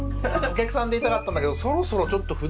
お客さんでいたかったんだけどそろそろちょっと筆